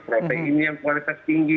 protein yang kualitas tinggi